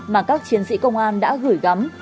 mà các chiến sĩ công an đã gửi gắm